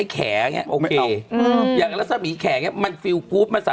ก็ต้องหาดีเขาไม่คิดตั้งนะ